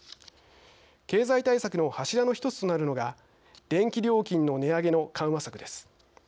経済対策の柱の１つとなるのが電気料金の値上げの緩和策です。